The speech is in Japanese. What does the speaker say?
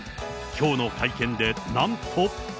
きょうの会見でなんと。